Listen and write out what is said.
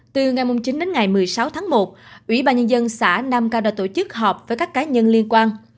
từ ngày chín đến ngày một mươi sáu tháng một ubnd xã nam cao đã tổ chức họp với các cá nhân liên quan